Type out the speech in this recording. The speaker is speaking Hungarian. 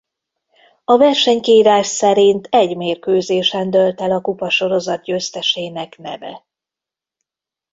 A versenykiírás szerint egy mérkőzésen dőlt el a kupasorozat győztesének neve.